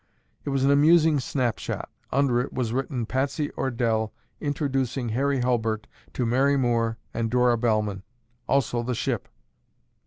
It was an amusing snapshot. Under it was written, "Patsy Ordelle introducing Harry Hulbert to Mary Moore and Dora Bellman—also the ship."